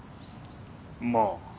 まあ。